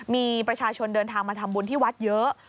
มีประชาชนเดินทางมาทำบุญที่วัดเยอะ